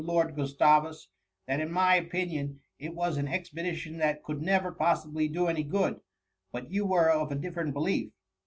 Lord Gustavus, that in my opinion it was an expedi tion that could never possibly do any good —^ but you were of a different belief.''